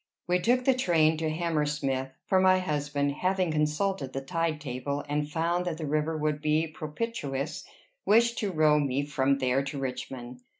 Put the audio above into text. We took the train to Hammersmith; for my husband, having consulted the tide table, and found that the river would be propitious, wished to row me from there to Richmond.